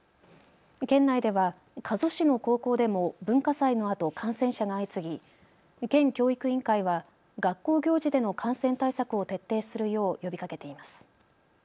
県内では加須市の高校でも文化祭のあと感染者が相次ぎ県教育委員会は学校行事での感染対策を徹底するよう呼びかけています。